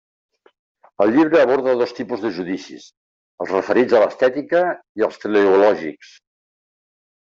El llibre aborda dos tipus de judicis: els referits a l'estètica i els teleològics.